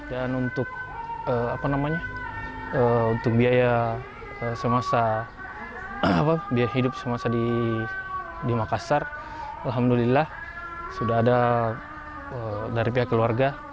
dan untuk biaya hidup semasa di makassar alhamdulillah sudah ada dari pihak keluarga